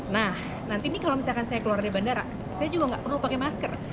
nah nanti nih kalau misalkan saya keluar dari bandara saya juga nggak perlu pakai masker